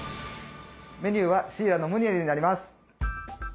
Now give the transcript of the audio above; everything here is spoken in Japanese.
メニューはシイラのムニエルになります。